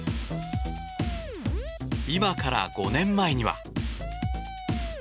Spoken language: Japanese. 今から５年前には。